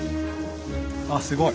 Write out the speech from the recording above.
あすごい。